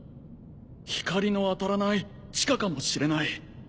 光の当たらない地下かもしれない。